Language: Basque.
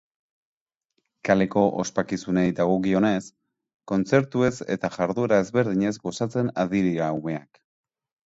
Kaleko ospakizunei dagokionez, kontzertuez eta jarduera ezberdinez gozatzen ari dira umeak.